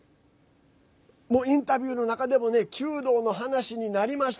インタビューの中でも弓道の話にもなりました。